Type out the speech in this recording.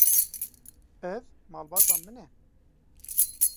Ev malbata min e.